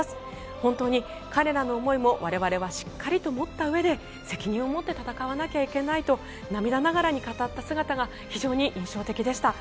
本当に彼らの思いも我々はしっかりと持ったうえで責任を持って戦わなきゃいけないと涙ながらに語った姿が非常に印象的でした。